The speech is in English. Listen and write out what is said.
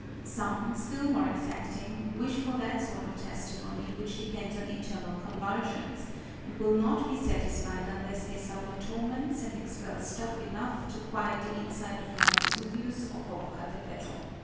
Some, still more exacting, wish for that sort of testimony which depends on internal convulsions, and will not be satisfied unless they suffer torments and expel stuff enough to quiet the inside of Mount Vesuvius or Popocatepetl.